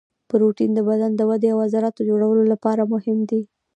پروټین د بدن د ودې او د عضلاتو د جوړولو لپاره مهم دی